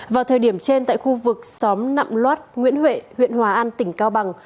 vào thời điểm trên tại khu vực xóm nậm loát nguyễn huệ huyện hòa an tỉnh cao bằng